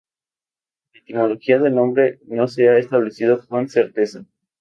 La etimología del nombre no se ha establecido con certeza.